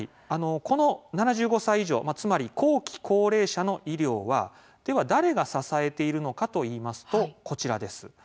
この７５歳以上つまり後期高齢者の医療はでは誰が支えているのかといいますと、こちらです。